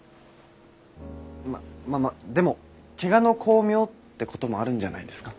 ままでも怪我の功名ってこともあるんじゃないですか？